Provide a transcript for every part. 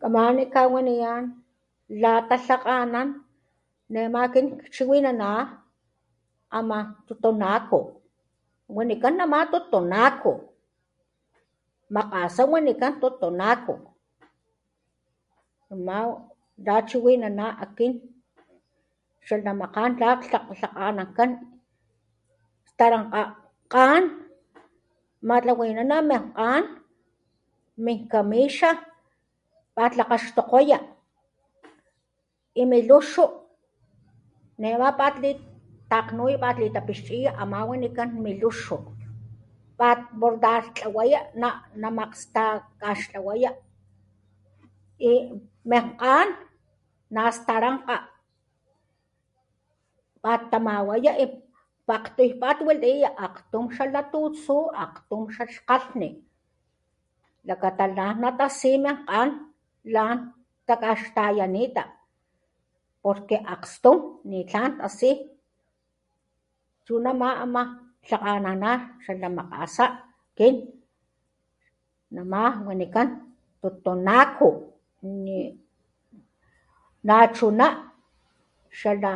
Kamani kawaniyan la talhakganan nema kin kchiwinana ama totonaco wanikan nama totonaco makgasa wanikan totonaco ama chiwinana akin xala makgan la laklhakganankan tarankga kgan matlawinana min kgan min kamixa pat lakgaxtokgoya y mi luxu nema pat litakgnuya pat litapixchiya ama wanikan mi luxu pat bordartlawaya namakgstakaxtlawaya y min kgan nas starankga pat tamawaya y pakgtuy pat waliya akgtum xala tutsu akgtum xax xkgkalhni xlacata lan natasi min kgan lan takaxtayanita porque akgstun ni tlan tasi chuna ama lhakganana xa la makgasa chi nama wanikan totonaco y nachuna xala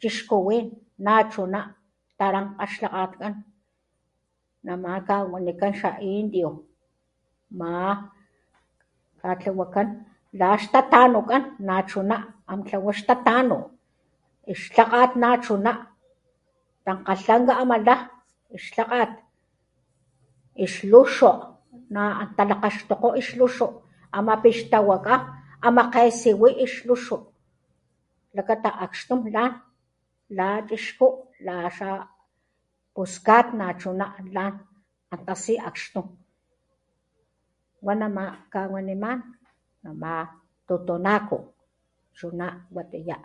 chixkuwin nachuna tarankga xlhakgatkan nama kawanikan xa indio ma tlawakan la ixtatanukan nachuna antlawa ix tatanu xlhakgat nachuna tankgalhlanka ama la' lhakgat ix luxu na antalakgaxtokgo ix luxu ama pixtawaka ama kgesiwi ix luxu xlakata akxtun lan la chixku la xa puskat lan natasi akxtun wa nama jkawaniman nama totonaco chuna watiya.